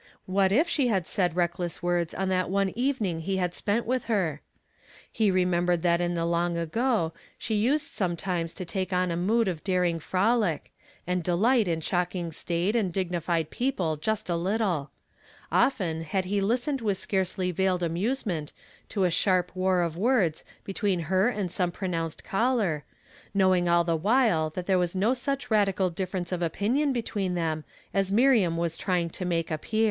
AVhat if she had said reckless words on that one evening he had spent with lier? lie remembered that in the long ago she used sometimes to take on a mood of daring frolic, and delight in shock ing staid and dignified people just a little; often had he listened with scarcely veiled amusement to a sliai'p war of woi ds between her and some pronounced ealler, knowing all the while that there was no such ratlical difference of opinion between them as Miriam was trying to make appear.